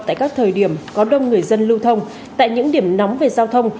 tại các thời điểm có đông người dân lưu thông tại những điểm nóng về giao thông